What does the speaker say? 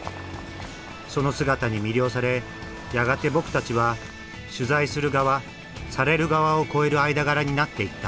その姿に魅了されやがて僕たちは取材する側される側を超える間柄になっていった。